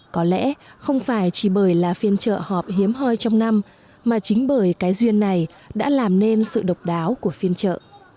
có lẽ không phải chỉ bởi là phiên chợ họp hiếm hoi trong năm mà chính bởi cái duyên này đã làm nên sự độc đáo của phiên chợ